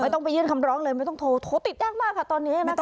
ต้องไปยื่นคำร้องเลยไม่ต้องโทรโทรติดยากมากค่ะตอนนี้นะคะ